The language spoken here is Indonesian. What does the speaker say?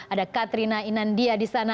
ada katrina inandia di sana